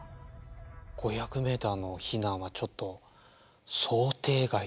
５００ｍの避難はちょっと想定外というか。